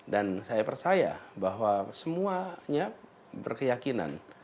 dan saya percaya bahwa semuanya berkeyakinan